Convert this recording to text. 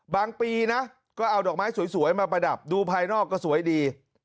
ปีนะก็เอาดอกไม้สวยมาประดับดูภายนอกก็สวยดี